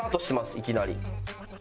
いきなり。